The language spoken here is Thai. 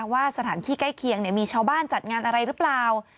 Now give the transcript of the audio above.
ว่าสถานที่ใกล้เคียงมีชาวบ้านจัดงานอะไรหรือเปล่า